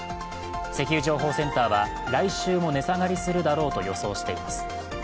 石油情報センターは、来週も値下がりするだろうと予想しています。